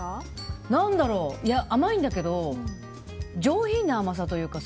甘いんだけど上品な甘さというか